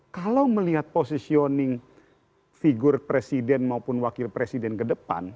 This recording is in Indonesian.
kalau melihat positioning figur presiden maupun wakil presiden ke depan